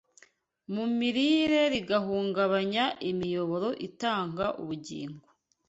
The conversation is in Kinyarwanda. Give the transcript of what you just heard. mu mirire rigahumanya imiyoboro itanga ubugingo